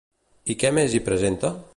I què més hi presenta?